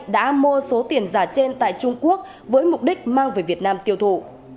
đã mua số tiền giả trên tại trung quốc với mục đích mang về việt nam tiêu thụ